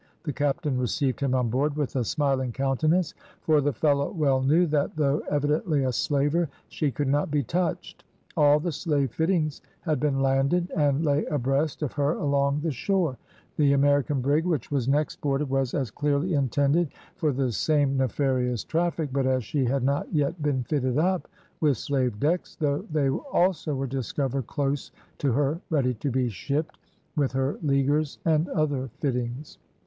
The captain received him on board with a smiling countenance, for the fellow well knew that though evidently a slaver, she could not be touched. All the slave fittings had been landed, and lay abreast of her along the shore. The American brig, which was next boarded, was as clearly intended for the same nefarious traffic, but as she had not yet been fitted up with slave decks, though they also were discovered close to her ready to be shipped, with her leaguers and other fittings.